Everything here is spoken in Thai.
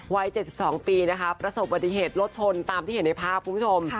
วัย๗๒ปีนะคะประสบปฏิเหตุรถชนตามที่เห็นในภาพคุณผู้ชม